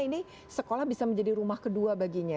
ini sekolah bisa menjadi rumah kedua baginya